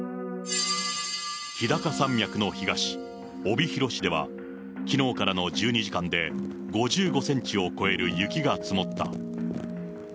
日高山脈の東、帯広市ではきのうからの１２時間で５５センチを超える雪が積もった。